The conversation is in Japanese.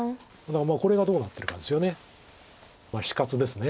だからこれがどうなってるかですよね。